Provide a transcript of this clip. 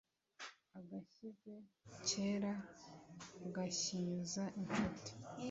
Agashyize kera gahinyuza inshuti.